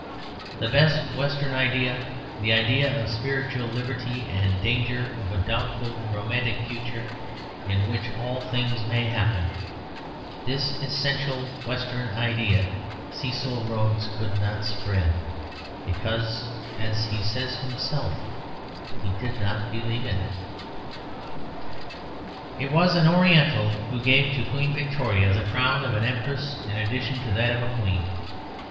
The best Western idea, the idea of spiritual liberty and danger, of a doubtful and romantic future in which all things may happen this essential Western idea Cecil Rhodes could not spread, because (as he says himself) he did not believe in it. It was an Oriental who gave to Queen Victoria the crown of an Empress in addition to that of a Queen.